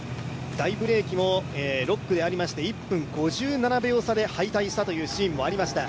大ブレーキも６区でありまして１分５７秒差で敗退したというシーンもありました。